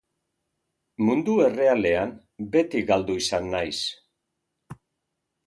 Mundu errealean beti galdu izan naiz.